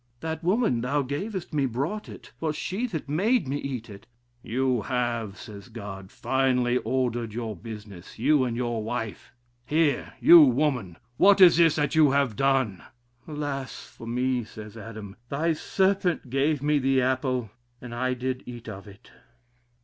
That woman thou gavest me brought it; 'twas she that made me eat of it. You have, says God, finely ordered your business, you and your wife. Here, you woman, what is this that you have done? Alas! for me, says Adam, thy serpent gave me the apple, and I did eat of it.